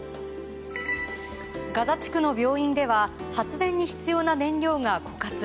ガザ地区の病院では発電に必要な燃料が枯渇。